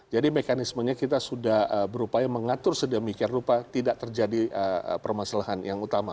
mekanismenya kita sudah berupaya mengatur sedemikian rupa tidak terjadi permasalahan yang utama